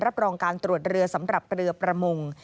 รองการตรวจเรือสำหรับเรือประมง